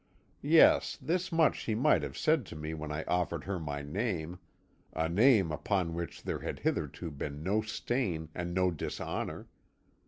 Yes, this much she might have said to me when I offered her my name a name upon which there had hitherto been no stain and no dishonour.